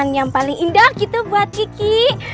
ini hari yang paling indah gitu buat kiki